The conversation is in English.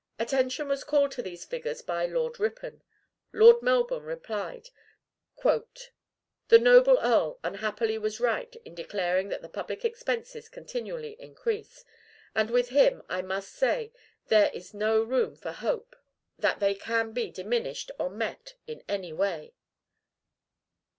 Attention was called to these figures by Lord Ripon. Lord Melbourne replied: 'The noble earl unhappily was right in declaring that the public expenses continually increase, and with him I must say that there is no room for hope that they can be diminished or met in any way.'"